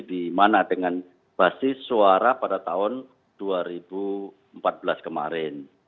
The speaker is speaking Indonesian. dimana dengan basis suara pada tahun dua ribu empat belas kemarin